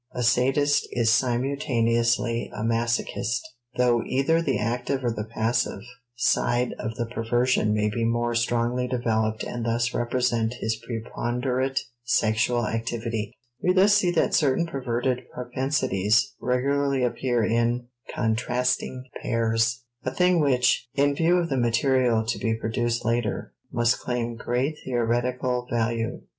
A sadist is simultaneously a masochist, though either the active or the passive side of the perversion may be more strongly developed and thus represent his preponderate sexual activity. We thus see that certain perverted propensities regularly appear in contrasting pairs, a thing which, in view of the material to be produced later, must claim great theoretical value.